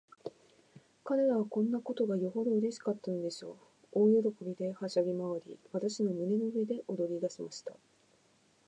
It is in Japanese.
彼等はこんなことがよほどうれしかったのでしょう。大喜びで、はしゃぎまわり、私の胸の上で踊りだしました。